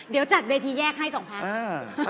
เดี๋ยวจัดเวทีแยกให้สองพัก